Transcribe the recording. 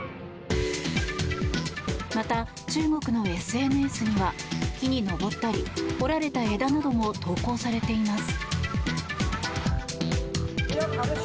また、中国のＳＮＳには木に登ったり折られた枝なども投稿されています。